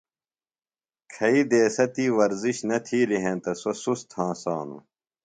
کھیئی دیسہ تی ورزش نہ تِھیلی ہینتہ سوۡ سُست ہنسانوۡ۔